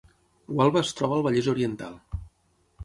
Gualba es troba al Vallès Oriental